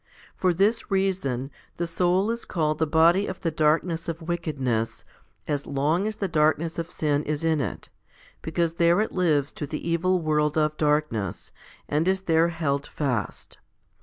For this reason, the soul is called the body of the darkness of wickedness, as long as the darkness of sin is in it, because there it lives to the evil world of darkness, and is there held fast.